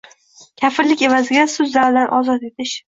Kafillik evaziga sud zalidan ozod etish.